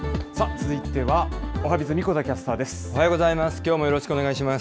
続いてはおはＢｉｚ、神子田キャスターです。